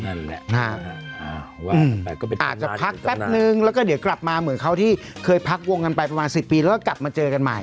อาจจะพักแป๊บนึงแล้วก็เดี๋ยวกลับมาเหมือนเขาที่เคยพักวงกันไปประมาณ๑๐ปีแล้วก็กลับมาเจอกันใหม่